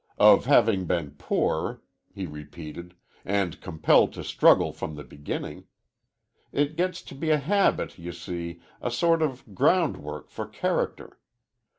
"Of having been born poor," he repeated, "and compelled to struggle from the beginning. It gets to be a habit, you see, a sort of groundwork for character.